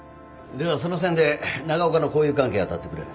ではその線で長岡の交友関係当たってくれ。